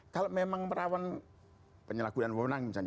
kalau memang rawan penyelaku dan wonang misalnya